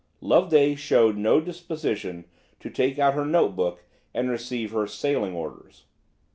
Loveday showed no disposition to take out her note book and receive her "sailing orders."